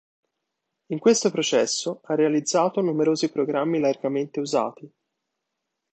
In questo processo, ha realizzato numerosi programmi largamente usati.